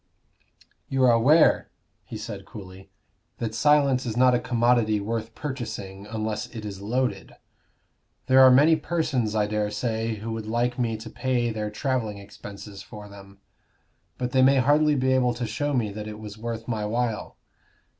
"You are aware," he said, coolly, "that silence is not a commodity worth purchasing unless it is loaded. There are many persons, I dare say, who would like me to pay their travelling expenses for them. But they might hardly be able to show me that it was worth my while."